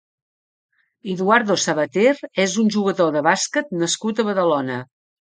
Eduardo Sabater és un jugador de bàsquet nascut a Badalona.